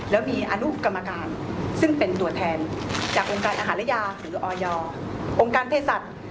แล้วมีอนุกรรมการซึ่งเป็นตัวแทนจากองค์การอาหารและยาหรือออยองค์การเพศสัตว์